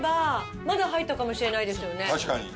確かに。